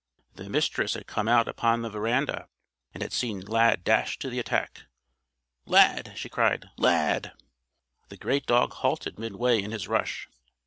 The Mistress had come out upon the veranda and had seen Lad dash to the attack. "Lad!" she cried. "Lad!" The great dog halted midway in his rush.